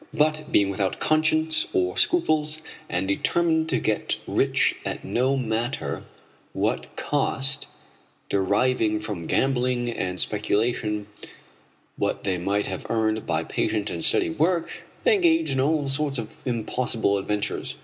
But being without conscience or scruples, and determined to get rich at no matter what cost, deriving from gambling and speculation what they might have earned by patient and steady work, they engaged in all sorts of impossible adventures.